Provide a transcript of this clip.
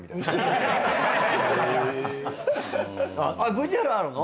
ＶＴＲあるの？